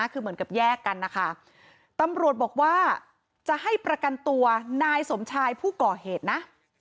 คือเหมือนกับแยกกันนะคะตำรวจบอกว่าจะให้ประกันตัวนายสมชายผู้ก่อเหตุนะ